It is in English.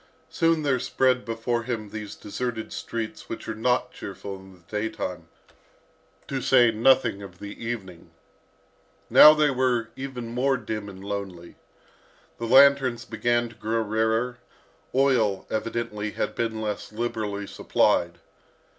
Soon there spread before him these deserted streets which are not cheerful in the daytime, to say nothing of the evening. Now they were even more dim and lonely. The lanterns began to grow rarer, oil, evidently, had been less liberally supplied.